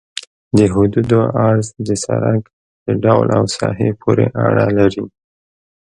د حدودو عرض د سرک د ډول او ساحې پورې اړه لري